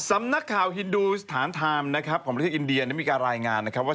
สำนักข่าวฮินดูสถานไทม์นะครับของประเทศอินเดียมีการรายงานนะครับว่า